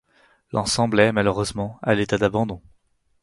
L'ensemble est malheureusement à l'état d'abandon.